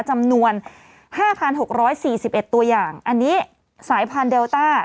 จำนวน๕๖๔๑ตัวอย่างอันนี้สายพันธุเดลต้า